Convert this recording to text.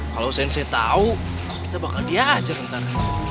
kalau sensei tahu kita bakal diajar ntar